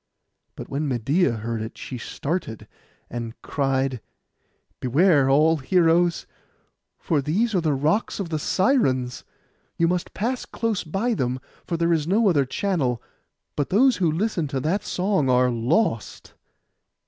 But when Medeia heard it, she started, and cried, 'Beware, all heroes, for these are the rocks of the Sirens. You must pass close by them, for there is no other channel; but those who listen to that song are lost.